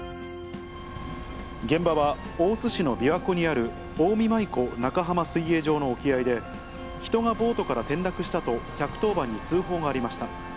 現場は大津市の琵琶湖にある近江舞子中浜水泳場の沖合で、人がボートから転落したと、１１０番に通報がありました。